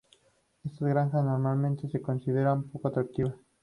Estas granjas normalmente se consideran poco atractivas.